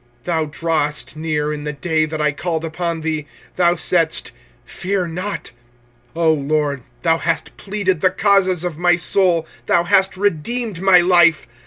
25:003:057 Thou drewest near in the day that I called upon thee: thou saidst, Fear not. 25:003:058 O LORD, thou hast pleaded the causes of my soul; thou hast redeemed my life.